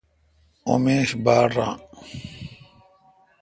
اوں میش باڑ ران۔